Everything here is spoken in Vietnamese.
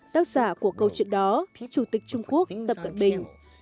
tác giả của câu chuyện đó chủ tịch trung quốc tập cận bình